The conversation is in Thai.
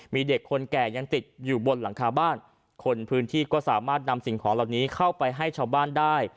มีเด็กคนแก่ยังติดอยู่บนหลังคาบ้านคนพื้นที่ก็สามารถนำสิ่งของเหล่านี้เข้าไปให้ชาวบ้านได้